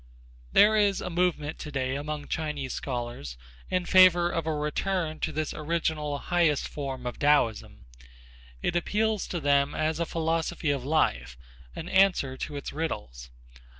There is a movement today among Chinese scholars in favor of a return to this original highest form of Taoism. It appeals to them as a philosophy of life; an answer to its riddles.